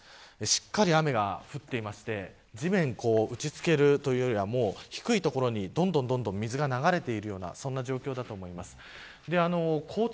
しっかりと雨が降っていて地面に打ちつけるというよりは低い所にどんどん水が流れている状況になっていると思います。